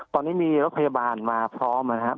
ตอนนี้มีรถพยาบาลมาพร้อมนะครับ